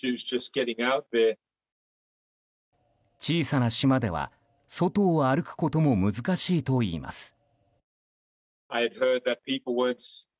小さな島では、外を歩くことも難しいといいます。